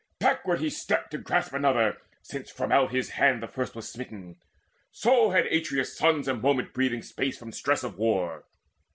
Backward he stepped To grasp another, since from out his hand The first was smitten. So had Atreus' sons A moment's breathing space from stress of war.